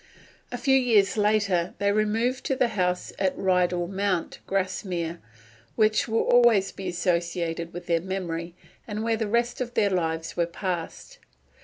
A few years later they removed to the house at Rydal Mount, Grasmere, which will always be associated with their memory, and where the rest of their lives was passed.